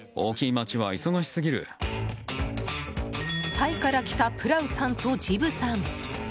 タイから来たプラウさんとジブさん。